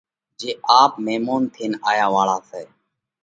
جي آپ ميمونَ ٿينَ آيا واۯا سئہ۔